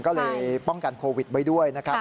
ก็เลยป้องกันโควิดไว้ด้วยนะครับ